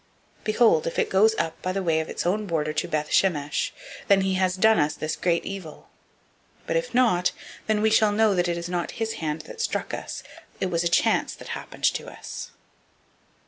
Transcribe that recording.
006:009 Behold; if it goes up by the way of its own border to Beth Shemesh, then he has done us this great evil: but if not, then we shall know that it is not his hand that struck us; it was a chance that happened to us."